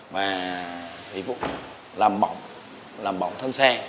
và dịch vụ làm bỏng làm bỏng thân xe